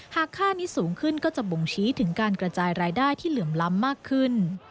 หากค่านี้สูงขึ้นก็จะบ่งชี้ถึงการกระจายรายได้ที่เหลื่อมล้ำมากขึ้น